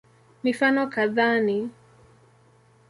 Mifano kadhaa ni